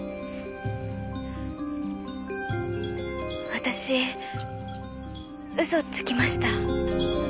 私嘘つきました。